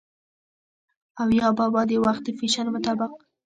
او يا بابا د وخت د فېشن مطابق